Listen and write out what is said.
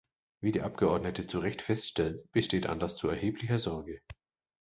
Wie die Abgeordnete zu Recht feststellt, besteht Anlass zu erheblicher Sorge.